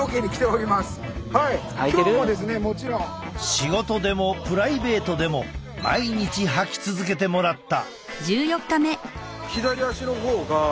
仕事でもプライベートでも毎日履き続けてもらった。